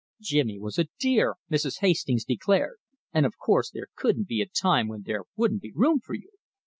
"Jimmy was a dear," Mrs. Hastings declared, "and, of course, there couldn't be a time when there wouldn't be room for you.